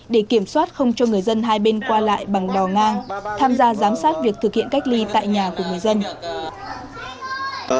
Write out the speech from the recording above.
để kiểm soát không cho người dân hai bên qua lại bằng đò ngang tham gia giám sát việc thực hiện cách ly tại nhà của người dân